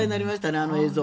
あの映像。